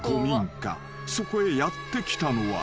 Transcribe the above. ［そこへやって来たのは］